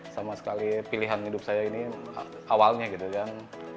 sama sekali pilihan hidup saya ini awalnya gitu kan